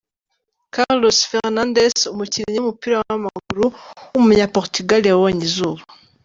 Carlos Fernandes, umukinnyi w’umupira w’amaguru w’umunyaportugal yabonye izuba.